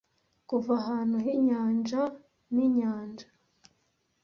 kuva ahantu h'inyanja ninyanja,